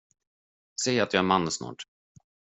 Säg att jag är man snart.